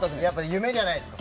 夢じゃないですか。